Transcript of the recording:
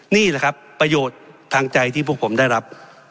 นี่แหละครับประโยชน์ทางใจที่พวกผมได้รับ